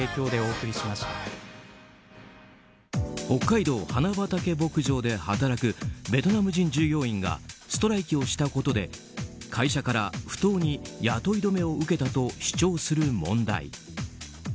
北海道、花畑牧場で働くベトナム人従業員がストライキをしたことで会社から不当に雇い止めを受けたと主張する問題。